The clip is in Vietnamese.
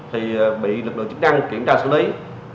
thì bị lực lượng chức năng kiểm tra xử lý